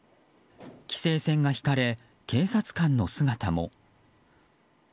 規制線が引かれ、警察官の姿も。